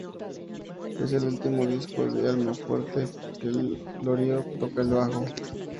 Es el último disco de Almafuerte en que Iorio toca el bajo.